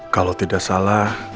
kalau tidak salah